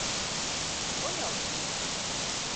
П-понял?!